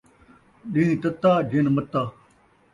ݙین٘ہہ تتا ، جِن متّا